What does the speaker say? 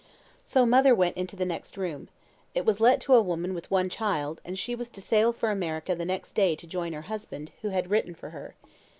"So mother went into the next room. It was let to a woman with one child, and she was to sail for America the next day to join her husband, who had written for her.